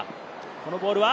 このボールは？